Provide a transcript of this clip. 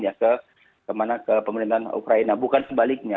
ya ke pemerintahan ukraina bukan sebaliknya